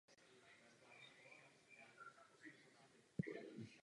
Jeho manželka byla herečka a fotografka Lydia Clarke.